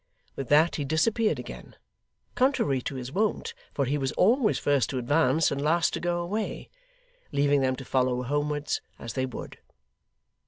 With that, he disappeared again, contrary to his wont, for he was always first to advance, and last to go away, leaving them to follow homewards as they would.